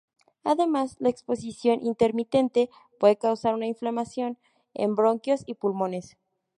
Además la exposición intermitente puede causar una inflamación en bronquios y pulmones.